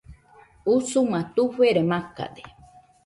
Usuma tufere macade